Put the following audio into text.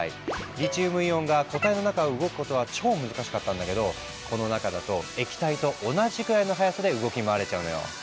リチウムイオンが固体の中を動くことは超難しかったんだけどこの中だと液体と同じぐらいの速さで動き回れちゃうのよ。